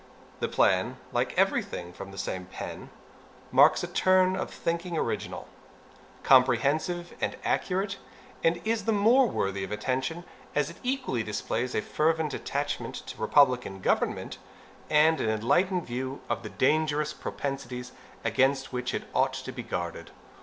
The plan, like every thing from the same pen, marks a turn of thinking, original, comprehensive, and accurate; and is the more worthy of attention as it equally displays a fervent attachment to republican government and an enlightened view of the dangerous propensities against which it ought to be guarded.